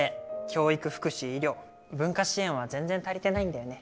教育福祉医療文化支援は全然足りてないんだよね。